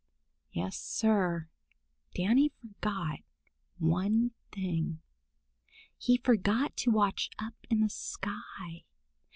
Yes, Sir, Danny forgot one thing. He forgot to watch up in the sky.